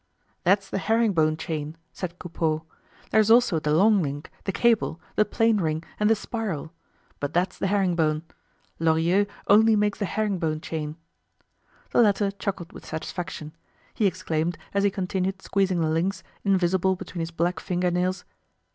"That's the herring bone chain," said Coupeau. "There's also the long link, the cable, the plain ring, and the spiral. But that's the herring bone. Lorilleux only makes the herring bone chain." The latter chuckled with satisfaction. He exclaimed, as he continued squeezing the links, invisible between his black finger nails.